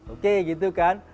oke gitu kan